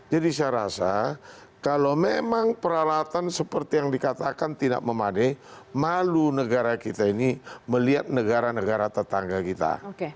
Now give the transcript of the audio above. jadi saya rasa kalau memang peralatan seperti yang dikatakan tidak memadai malu negara kita ini melihat negara negara tetangga kita